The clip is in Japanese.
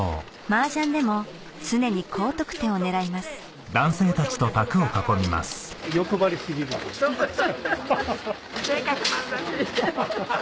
マージャンでも常に高得点を狙いますそうハハハ！